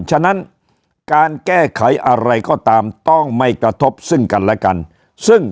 ฉะนั้นการแก้ไขอะไรก็ตามต้องไม่กระทบซึ่งกันและกันซึ่ง